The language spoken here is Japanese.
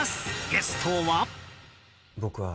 ゲストは。